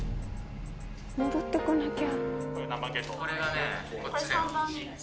戻ってこなきゃ。